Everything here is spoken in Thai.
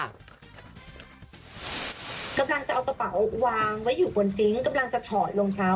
กำลังจะเอากระเป๋าวางไว้อยู่บนซิงค์กำลังจะถอดรองเท้า